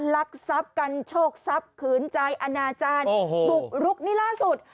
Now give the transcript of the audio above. ลักทรัพย์กันโชคทรัพย์ขืนใจอนาจารย์บุกรุกนี่ล่าสุด